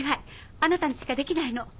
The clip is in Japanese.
あなたにしかできないの。